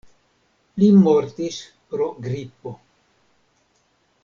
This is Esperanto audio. Li mortis pro gripo.